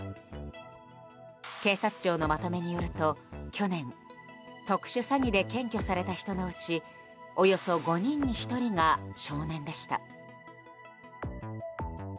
警察庁のまとめによると、去年特殊詐欺で検挙された人のうちおよそ５人に１人が少年でした。